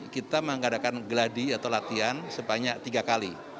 kita mengadakan gladi atau latihan sebanyak tiga kali